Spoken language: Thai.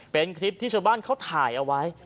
เป็นคลิปที่ชาวบ้านเขาถ่ายเอาไว้